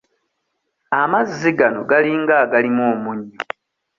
Amazzi gano galinga agalimu omunnyo.